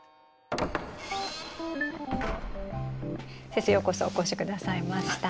先生ようこそお越しくださいました。